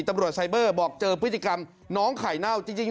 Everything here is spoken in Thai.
ตำรวจไซเบอร์บอกเจอพฤติกรรมน้องไข่เน่าจริง